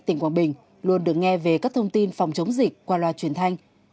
tỉnh quảng bình luôn được nghe về các thông tin phòng chống dịch qua loa truyền thanh